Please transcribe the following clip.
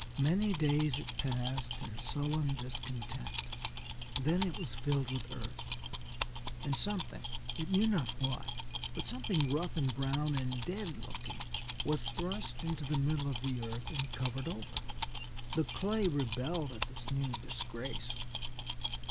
Many days it passed in sullen discontent. Then it was filled with earth, and something it knew not what but something rough and brown and dead looking, was thrust into the middle of the earth and covered over. The clay rebelled at this new disgrace.